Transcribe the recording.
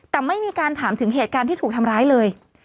แต่ไม่มีการถามถึงเหตุการณ์ที่ถูกทำร้ายเลย